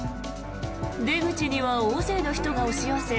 出口には大勢の人が押し寄せ